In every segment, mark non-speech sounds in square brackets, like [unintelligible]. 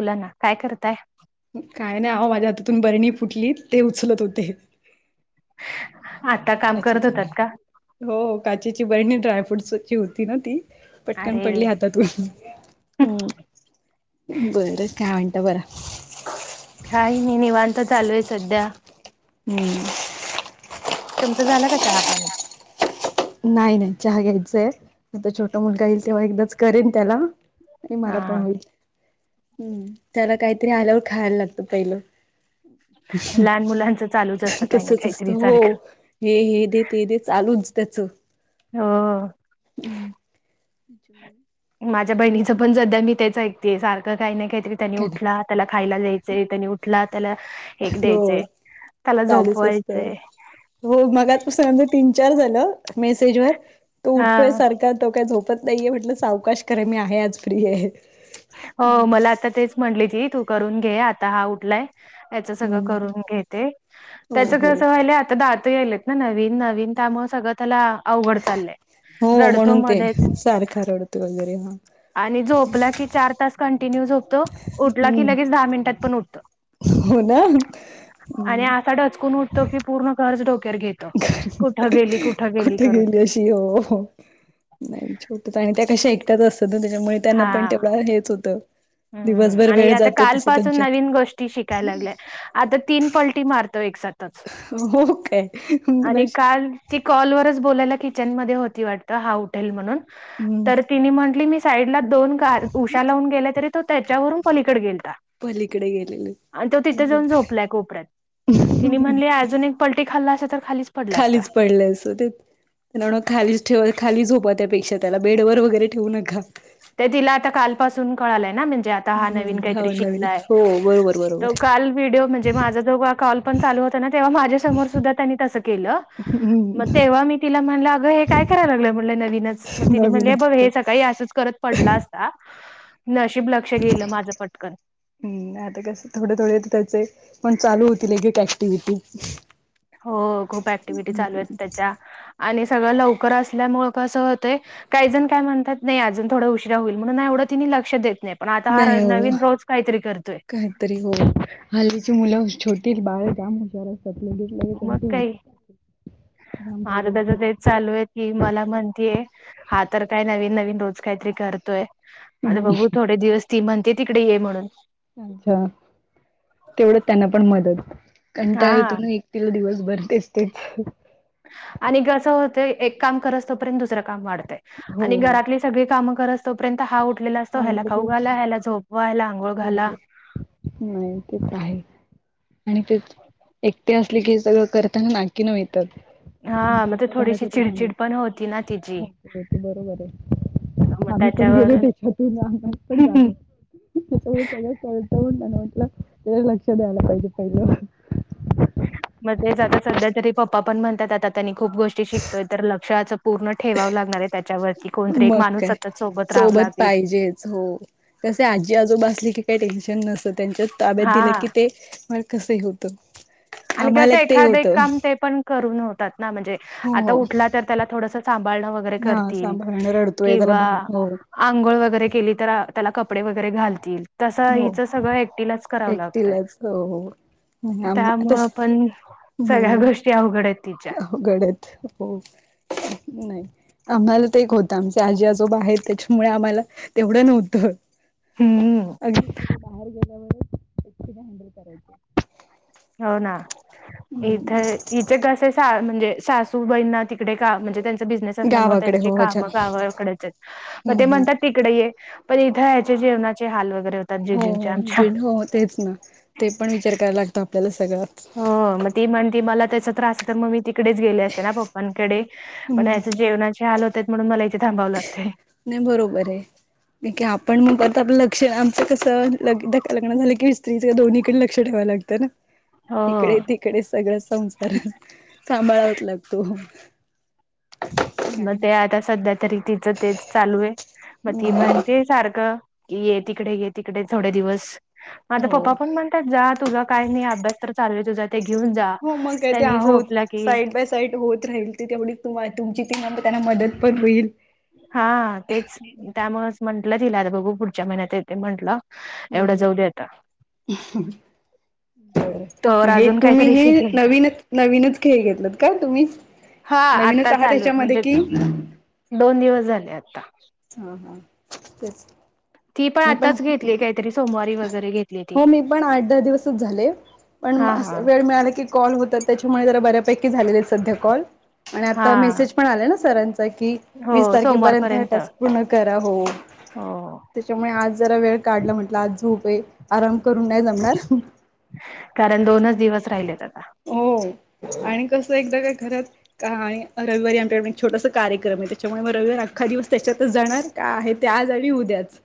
बोला ना. काय करताय काय नाही आहो माझ्या हातातून बरणी फुटली ते उचलत होते. आता काम करत काचेची होतात का हो काचेची बरणी ड्रायफ्रूटसची होती ना ती पटकन अरे पडली हातात व हम् बरं काय म्हणता बर काही नाही निवांत चालू आहे सध्या हम्म तुमचं झालं का चहापाणी? नाही नाही चहा घ्यायचंय आता छोटा मुलगा येईल तेव्हा एकदाच करेन त्याला? आणि मला पण हा होईल हम्म त्याला काहीतरी आल्यावर खायला लागतं पहिलं. लहान मुलांचं चालूच असतं काही ना तसच असत काहीतरी हो सारखं हे हे दे ते दे चालूच त्यांच. [unintelligible] हो हम्म माझ्या बहिणीचं पण सध्या मी तेच ऐकते सारखं काही ना काहीतरी त्यांनी काय नाही उठलात त्याला खायला द्यायचे त्यानी उठला त्याला ऐक हो द्यायचे त्याला चालूच असतं. झोपवायचे. हो मग पासून तीन चार झालं मेसेज वर तो उठतोय हा सारख तो काय झोप त नाहीये म्हटलं सावकाश खर मी आहे आज फ्री आहे. हो मला आता तेच म्हटले जी तू करून घे आता हा उठलाय याच सगळं हम्म करून घेते हो त्याच हो कसं व्हा आ आता दहात यालेत ना नवीन नवीन त्यामुळे सगळं त्याला अवघड चाललंय हो रडतो म्हणून ते मध्येच सारखा रडतोय वगैरे हा आणि झोपला किती चार तास कंटिन्यू होतो उठला की हम्म लगेच दहा मिनिटात पण उठतो हो ना आणि आता डचकून तोी पूर्ण कारर्जडोक्यार घेत कुठे गेली अशी हो नाही छोट आणि त्या कशा एकट्याच असतात ना त्याच्यामुळे त्यांना हा पण तेवढ हेच होत हम्म दिवसभर आणि वेळ आता जातो तस कालपासून त्यांच्यात नवीन गोष्टी शिकायला लागल्या. आता तीन पलटी मारतो एक ओकेश काल ती कॉलवरच बोलायला किचनमध्येध्ये होती वाटतं हा उठेल म्हणून हम्म तर तिने म्हटली मी साईडला दोन ग उषा लावून गेला तरी तो त्याच्यावरून पलीकडे गेलता पलीकडे आणि तो तिथे गेलेले जाऊन झोपलाय कोपऱ्यात तिने म्हणली अजून एक पलटी खाल्ला असे तर खाली खालीच पडले असो ते त्या खालीच ठेवा खाली झोपा त्यापेक्षा त्याला बेड ववर वगैरे ठेवू नका ते तिला आता कालपासून कळालंय ना म्हणजे का हम्म हा नवीन हो बरोबर बरोबर का्हड म्हण पण चालू होत ना तेव्हा माझ्या समोर सुद्धा त्यांनी तसं केलं मग हम्म तेव्हा मी तिला म्हणलं अगं हे काय करायला लागलं म्हटलं नवीनच मग तिने म्हणले नवीनच बघ होत. हे सकाळी असंच करत पडला असता नशीब लक्ष गेलं माझं पटकन हम् आता कस थोडे थोडे त्याचे पण चालू होतील एक एक ऍक्टिव्हटी हो खूप ऍक्टिव्हटी चालू आहेत त्याच्या आणि सगळं लवकर असल्यामुं कसं होतंय काही जण काय म्हणतात नाही अजून थोडा उशरा होईल म्हणून एवढं तिने लक्ष देत नाही पण आता हा नवीन रोज काहीतरी करतोय तरी हो हलीची मुलं छोटी बाळ कामजार सप घेते मग त्यांचे हो काही वै [unintelligible] ही मला म्हणतीय हा तर काय नवीन, नवीन रोज काहीतरी करत य आता हम्म बघू थोडे दिवस ती म्हणतेय तिकडे ये म्हणून. अच्छा तेवढं त्यांना पण मदत कंटाळा हा येतोन एक. तिला दिवसभर तेच, तेच. आणि कसं होतय एक काम करस तोपर्यंत दुसरं काम वाढतय हो आणि हो घरातली सगळी कामं करस तोपर्यंत हा उठलेला असतो ह्याला आवडलं की खाऊ घाला, ह्याला झोपवा, ह्याला आंघोळ हो घाला, हो नाही ते तर हाय. आणि तेच एकटे असले की सगळं करताना नाकीनऊ येतात. हां, मग ते थोडीशी चिडचिड पण होती ना तिची. [unintelligible] होत बरोबर आहे. मग आम्ही पण गेलो त्याच्यावरून त्याच्यातून आम्हाला पण जान आहे. सगळ कळत त्यांना म्हटलं ते लक्ष द्यायला पाहिजे पहिलं मग तेच आता सध्या जरी पप्पा पण म्हणतात आता त्यांनी खूप गोष्टी शिकतोय तर लक्ष पूर्ण ठेवावं लागणार आहे त्याच्यावरती कोणतरी एक माणूस सतत सोबत राहाव लागेल. जेन्स हो. तसे आजी आजोबासली की काही टेन्शन नस त्यांच्याच ताब्यात दिलं हां की ते म कस होत. आणि आम्हाला कसं एक ते एखादं होतं. काम ते पण करून होतात ना म्हणजे. हो आता हो उठला तर त्याला थोडस सांभाळणं वगैरे हा करतील सांभाळण रडतोय जरा किंवा बघ हो आंघोळ वगैरे केली तर त्याला कपडे वगैरे घालतील. तस हो हिच सगळं एकटीलाच करावं लागतय एकटीलाच हो हो नाही आम त्या तस मुळ पण सगळ्या गोष्टी अवघड आहेत तिच्या. घडत हो, नाही. आम्हाला तर एक होतं आमचे आजी, आजोबा आहेत त्याच्यामुळे आम्हाला तेवढं नव्हतं‌. हम्म, अग बाहेर गेल्यावर हँडल करायच. होना. इथे, इचे कसे म्हणजे सासू बहिण तिकडे का म्हणजे त्यां बिझनेस असल्या मुळे गावाकडे त्यांची हो अच्छा कामं गावाकडेच हायत म हम्म ते हम्म म्हणतात तिकडे ऐ पण इथं याचे जेवणाचे हाल वगैरे होते हो, हो, हो तेच ना ते पण विचार करायला लागतो आपल्याला सगळंच. हो, मग ती म्हणती मला त्याचा त्रास आहे तर मग मी त तिकडेच गेले असते ना पप्पांकडे पण हम्म यांच्या जेवणाचे हाल होतात म्हणून मला इथे थांबावं लागतय. नाही बरोबर आहे. आपण मग परत आपलं लक्ष आमंच कसं ल लग्न झालं कि स्त्री दोन्हीडे लक्ष लक्ष ठेवाव लागतन हो. तिकडे, तिकडे सगळ संसार. सांभाळावच लागतो. मग हम्म ते आता सध्या तरी तिचं तेच चालू आहे मग ती म्हण ते सारखं की ये तिकडे, ये तिकडे थोडे दिवस. आता हो पप्पा पण म्हणतात जा तुझा काय नाही अभ्यास तर चालू आहे तुझा, ते घेऊन जा. त्यांनी झोपला की. साईट होत राहील. तेवढी तुमची ती त्यांना मदत पण होईल. हा, तेच त्यामुळच म्हंटलं तिला आता बघू पुढच्या महिन्यात येते म्हंटलं. एवढं जाऊ दे आता. बर. तर मग हे अजून तुम्ही काहीतरी हे शिकेल का? नवीनच, नवीनच खेळ घेतलत का तुम्ही? हा नवीनच आता आहात चालू आहे त्याच्यामध्ये म्हणजे कि दोन दिवस झाले आता. हा, हा तेच. ती मी पण,, आताच घेतली काहीतरी सोमवारी वगैरे घेतली ती हो मी पण आठ दहा दिवसच झाले. पण हा अस हा. वेळ मिळाला कीऽ कॉल होतात, त्याच्यामुळेऽ जरा बर्या पैकी झालेले त सध्या कॉल,, आणी आता हा मेसेज ऽ पण आले ना सरांचा,, की हो वीस तारखेपर्यंत हा सोमवारपर्यंत टास्क पूर्ण करा हो.. हो. त्याच्यामुळे आज जरा वेळ काढला,, म्हटलं आज झोप आहे,, आराम करून नाही जऽ कारण दोनच दिवस राहिलेत आता. हो आणि कसं एकदा काय घरात. आणि रविवारी आमच्याकड एक छोटास कार्यक्रम आहे त्याच्यामुळे मग रविवारी अखा दिवस त्याच्यात. तर जाणार का? आहे ते आज आणि उद्याच.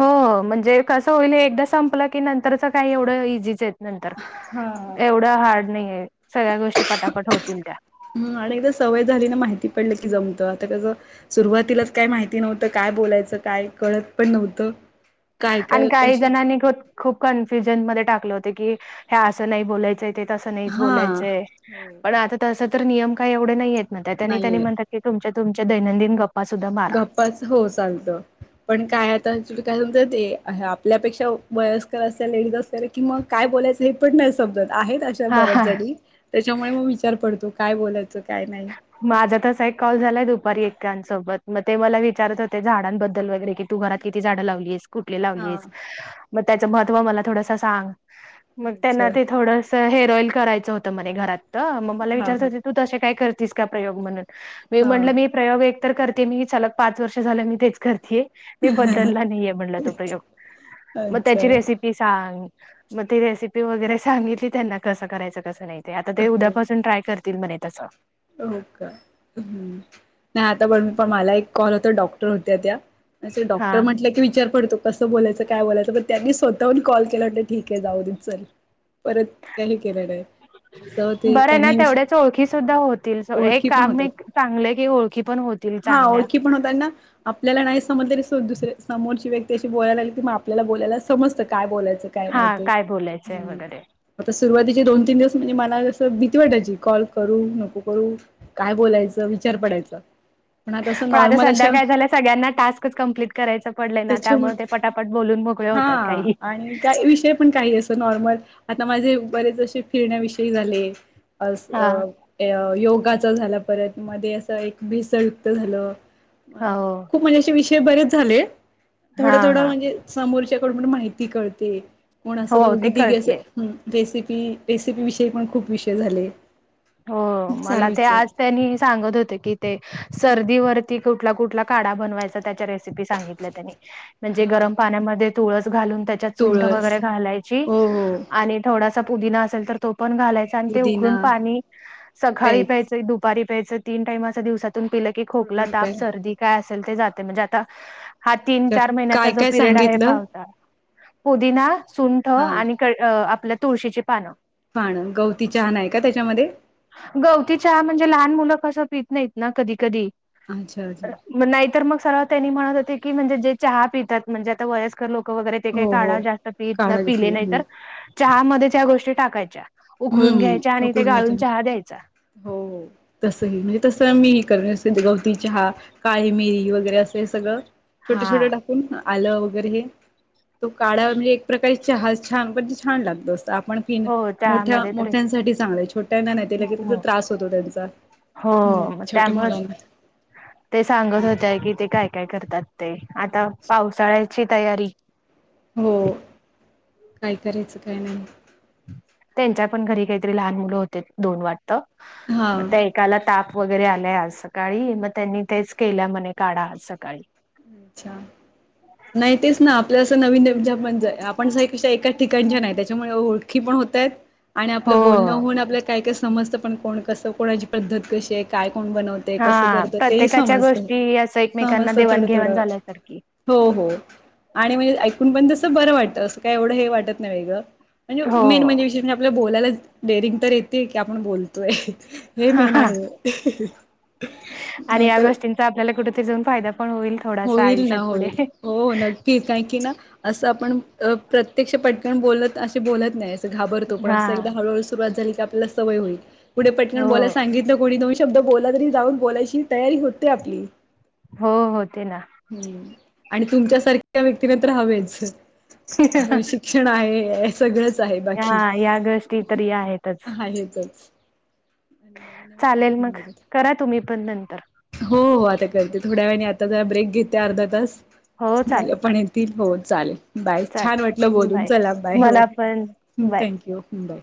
हो,, म्हणजे कसं होईल एकदा संपलं की नंतरच काही एवढं इझीच.. त नंतर हा एवढं हार्ड नाहीय, सगळ्या गोष्टी पटापट होतील त्या. हम,, आणि एकदा सवय झाली ना, माहिती पडली की जमतं, आता कसंऽ सुरुवातीलाच काय माहिती नव्हतं,, काय बोलायचं काय कळत पण नव्हतं,, काय आणि काय काही कशी जणांनी ख खूप कन्फ्युजन मध्ये टाकले होते की,, ह्या असं नाही बोलायचंयऽ ते तस नाहीच हा बोलायचं, पण आता तस तर नियम काय एवढे नाही आहेत, ळ ना त्या त्यांनी नाहीये म्हणातऽ कि तुमच्या, तुमच्या दैनंदिन गप्पा सुद्धा मारा. च हो चालत.. पण काय आता, तु काय समज ते आपल्यापेक्षा वयस्कर अस लेडीज असल्या रेऽ कि मग काय बोलायचं हे पण नाही समजत,, आहेतऽ हा बऱच हा झाली त्याच्यामुळे मग विचार पडतो काय बोलायचं काय नाही. माझा तसा एक कॉल झालाय दुपारी एांसोबत मग ते मला विचारत होते झाडांबद्दल वगैरे किती. तू घरात किती झाडं लावलीस. कुठ ला हा मग त्याच महव मला थोड सांग मग त्यां अच्छा ते थड. हेर ऑल करायचं होत घरात तर मग मला हा विचारय हा हो तू त काय? तिच का प्रयोग म्हणून मी म्हणलं मी प्रयोग एक तर करते मी चचाल पाच वर्ष झालं मी तेच करतेय. मी बदलला नाहीे म्हणल तो प्रयोग हा मग अच्छा त्याची रेसिपी ती सांग मग ती रेसिपी वगैरे सांगली क त्यांना कसं करायचं कसं नाही. ते आता ते हो उद्यापासून ट्राय करतील म्हणे तसं. हो का नाही आता पण मी पण मला एक कॉल होता डॉक्टर होत्या त्या. असे डॉक्टर हा म्हटलं की विचार पडतो. कसं बोलायचं काय बोयचंण त्यांनी स्वतःहून कॉल केला म्हट ठीक आहे जाऊ दे चल. परत काही केलं नाही. असं ते बरं ना त्यांनी विष तेवढ्याच ओळखी सुद्धा होत. हे ओळखी पण काम होतात एक चांगले की ओळखी पण होतील हा चांगल्या. ओळखी पण होताना. आपल्याला नाही समज त स दुसर्या समोरची व्यक्ती अशी बोयलागली की मग आपल्याला बोलायला समजतं काय बोलायचं. काही हा माती काय बोलायचंय हम्. वगैरे आता सुरुवातीचे दोन तीन दिवस म्हणजे मला जसं भीती वाटायची कॉल करू नको. करू काय बोलायचं विचार पडायचं. पण आता सध्या काय झाल्या सगळ्यांना टास्कच कं्प्लीट करायचं पडलेय ना त्याच्यामुळे त्यामुळे ते पटापट बोलून मोकळे. होतात हा. काही का विषय पण काही जसं नॉर्मल आता माझे बरेच असे फिरण्याविषयी झाले. हा अजून ते. योगाच झाला परत मध्ये अस एक भेसळ युक्त झालं हो खूप म्हणजे. े बरेच झाले हा थोडं थोडं हा म्हणजे समोरच्याकडून माहिती कळते. कोण असं हो ते दघीती गेस कळतेय रेसिपी रेसिपी विषयी पण खूप विषय झाले. हो मला ते चालूच आहेत आज त्यांनी सांगत होते की ते सर्दीवररती कुठला कुठला काढा बनवायचा त्याच्या रेसिपी सांगित म्हणजे हा गरम पाण्यामध्ये तुळस घालून त्याच्यात चुंठ तुळस वगैरे घालायची. हो हो आणि थोडासा पुदिना असेल तर तो पण घालायचा आणि ते उघडून पुदिना पाणी सकाळी प्यायच पहि दुपारी प्यायच. तीन टाईम अस दिवसातून पिलं की, थोडं खोकला, थोडं ताप, प्यायला सर्दी काय असेल ते जाते. म्हणजे आता, हा तीन चार महिन्याचा काय जो काय पिरियड आहे सांगितलं पा. पुदिना, सुंठ हा आणि आपल्या तुळशीची पानं. पाण. गवती चहा नाही का त्याच्यामध्ये? गवती चहा म्हणजे लहान मुलं असं पित नाहीत ना. कधी कधी. अच्छा अच्छा. नाहीतर मग सरळ त्यांनी म्हणत होते की, म्हणजे जे चहा पितात. म्हणजे आता वयस्कर लोक वगैरे ते काही हो काढा हो जास्त पित काढा पिले घेतली नाही तर, चहामध्येच या गोष्टी टाकायच्या. उखळून हम्म घ्यायच्या, आणि ते उकळून घेतो गाळून मी चहा द्यायचा. हो तसही म्हणजे तस मी कर गवती चहा. काळी मिेरी वगैरे असं हे सगळं छोटे हा छोटे टाकून, आलं वगैरे हे, तो काढा म्हणजे प्रकारे चहा छान म्हणजे छान लागतो. आपण पिन हो मोठ्या त्यामध्ये तर मोठ्यांसाठी चांगलंय. छोट्यांना नाही. दिला की ते हो लगेचच त्रास होतो त्यांचा. हो हम्म म छोट्या त्यामुळेच मुलांना ते सांगत होते की, ते काय काय करतात ते. आता पावसाळ्याची तयारी. हो. काय करायचं काय नाही. त्यांच्या पण घरी काहीतरी लहान मुलं होते. दोन वाटतं. हा म त्या त्याला ताप वगैरे आलाय आज सकाळी. मग त्यांनी तेच केल म्हणे. काढा. आज सकाळी. अच्छा. नाही तेच ना आपल्या असं, नवीन पण आपण का एका ठिकाणच्या नाही. त्याच्यामुळे ओळखी पण होतायेत. आणि हो आपलं बोलणं होऊन आपल्याला काय काय समजतं पण. कोण कसं. कोणाची पद्धत कशी आहे. काय कोण बनवतं. हा, प्रत्येकाच्या गोष्टी, असं एकमेकांना समजतं थोडं देवाणघेवाण थोडं झाल्यासारखी. हो हो. आणि म्हणजे ऐकून पण तसं बरं वाटत. असं काय एवढं हे वाटत नाही वेगळं. म्हणजे हो मेन म्हणजे विशेष म्हणजे आपल्याला बोलायला डेअरिंग तर येते. की आपण बोल तोय. हे हा मेन हा आहे. आणि नाही या तर गोष्टींचा आपल्याला कुठेतरी जाऊन, फायदा पण होईल. थोडासा होईल ना आयुष्यात पुढे होईल. हो न कि. कारकी ना. असं आपण प्रत्यक्ष पटकन बोलत असे बोलत नाहीत. घाबरतो पण हा असं एकदा हळूहळू सुरुवात झाली की, आपल्याला सवय होईल. कुठे पटकण हो बोला सांगितलं कोणी दोन शब्द बोला. तरी जाऊन बोलायची तयारी होते आपली. हो होते ना. हम्म आणि तुमच्यासारख्या व्यक्तीना तर हवेच. ह श क्षण आहे सगळंच. आहे या बाकी या गोष्टी तरी आहेतच आहेतच. नवीन चालेल अनुभव मग. मिळतात. करा तुम्ही पण नंतर. हो हो. आता करते थोड्या वेळाने. आता जरा ब्रेक घेते अर्धा तास. हो चालेल पण त हो चालेल. बाय. छान वाटलं चालेल बोलून. बाय चला बाय. हो. मला पण बाय थँक्यू. बाय.